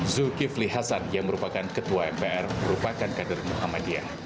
zulkifli hasan yang merupakan ketua mpr merupakan kader muhammadiyah